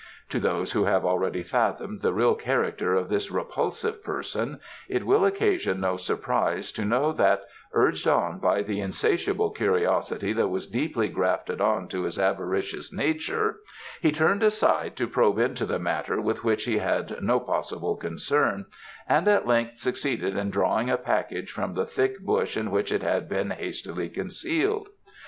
To those who have already fathomed the real character of this repulsive person it will occasion no surprise to know that, urged on by the insatiable curiosity that was deeply grafted on to his avaricious nature, he turned aside to probe into a matter with which he had no possible concern, and at length succeeded in drawing a package from the thick bush in which it had been hastily concealed.